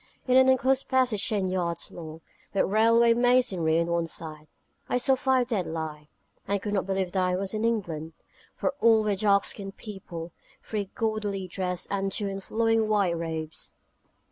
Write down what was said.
In an enclosed passage ten yards long, with railway masonry on one side, I saw five dead lie, and could not believe that I was in England, for all were dark skinned people, three gaudily dressed, and two in flowing white robes.